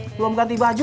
belum ganti baju